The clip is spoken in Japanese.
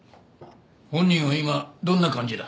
本人は今どんな感じだ？